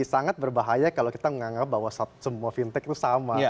sangat berbahaya kalau kita menganggap bahwa semua fintech itu sama